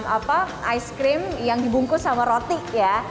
apa ice cream yang dibungkus sama roti ya